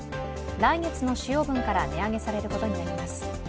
来月の使用分から値上げされることになります。